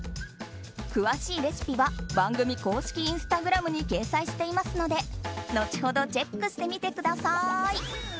詳しいレシピは番組公式インスタグラムに掲載していますので後ほどチェックしてみてください。